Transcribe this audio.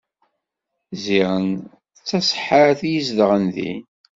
Ziɣen d taseḥḥart i izedɣen din.